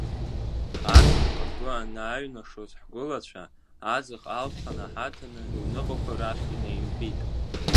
Аҵых агәы анааиҩнашоз ҳгәылацәа аҵых алԥха наҳаҭаны рыҩныҟақәа рахь инеимпит.